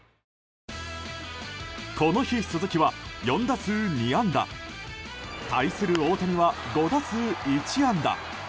この日、鈴木は４打数２安打対する大谷は５打数１安打。